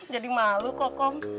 jadi malu kokong